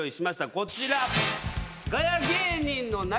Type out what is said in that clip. こちら。